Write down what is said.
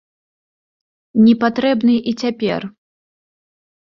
Не патрэбны і цяпер.